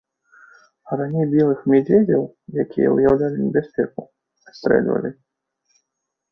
Раней белых мядзведзяў, якія ўяўлялі небяспеку, адстрэльвалі.